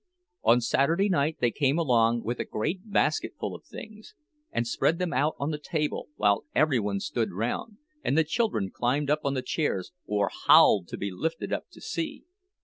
On Saturday night they came home with a great basketful of things, and spread them out on the table, while every one stood round, and the children climbed up on the chairs, or howled to be lifted up to see.